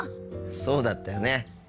そうだったよね。